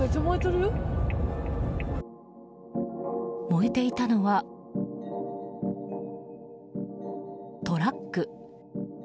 燃えていたのはトラック。